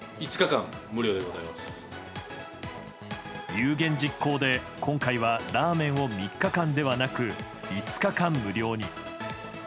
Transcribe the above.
有言実行で今回はラーメンを３日間ではなく５日間無料に。